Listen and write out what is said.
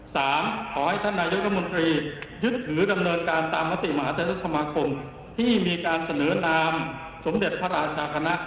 ขอให้ท่านนายกรมนตรียึดถือดำเนินการตามมติมหาเทศสมาคมที่มีการเสนอนามสมเด็จพระราชาคณะ